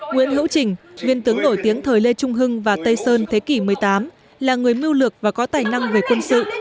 nguyễn hữu trình viên tướng nổi tiếng thời lê trung hưng và tây sơn thế kỷ một mươi tám là người mưu lược và có tài năng về quân sự